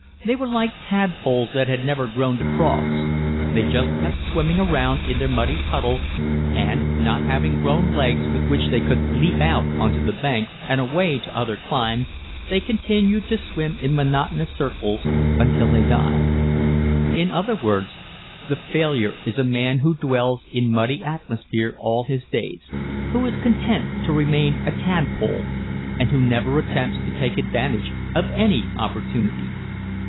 They were like tadpoles that had never grown to frogs ... they just kept swimming around in their muddy puddles and, not having grown legs with which they could leap out onto the banks and away to other climes, they continued to swim in monotonous circles until they died. In other words, the failure is a man who dwells in muddy atmosphere all his days, who is content to remain a tadpole and who never attempts to take advantage of any opportunity.